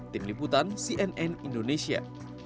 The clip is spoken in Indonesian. tim liputan cnn indonesia